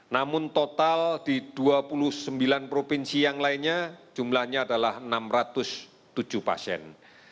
namun total di dua puluh sembilan provinsi yang lainnya jumlahnya adalah enam ratus tujuh pasien